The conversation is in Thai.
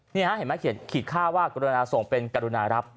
เห็นไหมเขียนขีดค่าว่ากรุณาส่งเป็นกรุณารับ